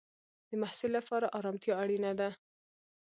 د محصل لپاره ارامتیا اړینه ده.